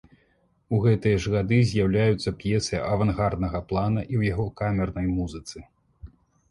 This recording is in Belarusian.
У гэтыя ж гады з'яўляюцца п'есы авангарднага плана і ў яго камернай музыцы.